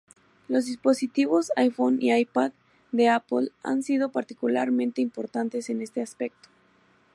Los dispositivos iPhone y iPad de Apple han sido particularmente importantes en este aspecto.